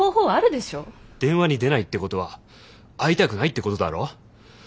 電話に出ないってことは会いたくないってことだろ？